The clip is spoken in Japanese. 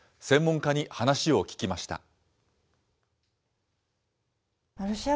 専門家に話を聞きました。